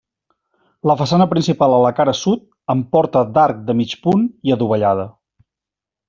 La façana principal a la cara sud, amb porta d'arc de mig punt i adovellada.